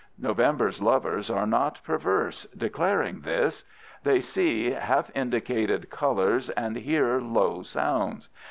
November's lovers are not perverse, declaring this. They see half indicated colors and hear low sounds.